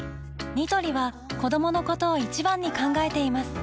ニトリは子どものことを一番に考えています